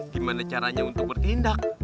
gimana caranya untuk bertindak